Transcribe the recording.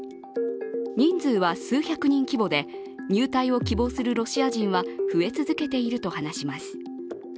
人数は数百人規模で入隊を希望するロシア人は増え続けていると話します。